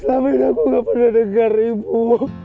tapi aku gak pernah dengar ibu